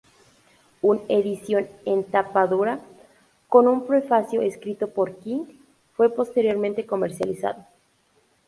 Un edición en tapa dura con un prefacio escrito por King fue posteriormente comercializado.